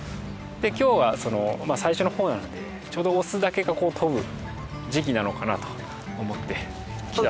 今日は最初の方なのでちょうどオスだけここを飛ぶ時期なのかなと思って来たんですけど。